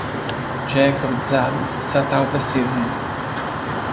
Jacob Zab sat out the season.